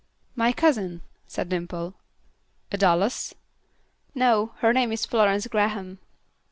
"My cousin," said Dimple. "A Dallas?" "No; her name is Florence Graham."